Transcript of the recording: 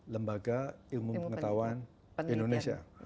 lembaga ilmu pengetahuan indonesia